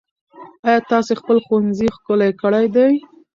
ايا تاسې خپل ښوونځی ښکلی کړی دی؟